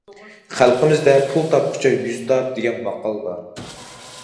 خەلقىمىزدە« پۇل تاپقۇچە، يۈز تاپ» دېگەن ماقال بار.